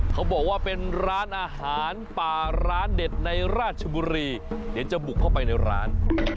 เขาบอกว่าเป็นร้านอาหารป่าร้านเด็ดในราชบุรีเดี๋ยวจะบุกเข้าไปในร้าน